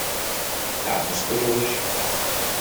Da musste durch.